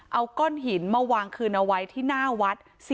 เอาก้อนหินมาวางคืนเอาไว้ที่หน้าวัด